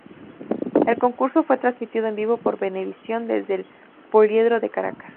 El concurso fue transmitido en vivo por Venevisión desde el Poliedro de Caracas.